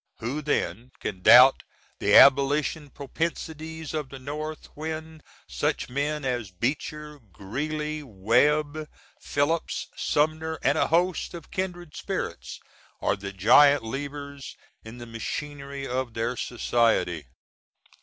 Who then can doubt the Aboli^n propensities of the N. when such men as Beecher, Greeley, Webb, Phillips, Sumner, & a host of kindred spirits, are the giant levers in the machinery of their society?